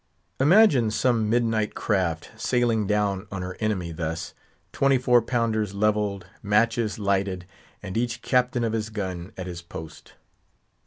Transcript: Imagine some midnight craft sailing down on her enemy thus; twenty four pounders levelled, matches lighted, and each captain of his gun at his post!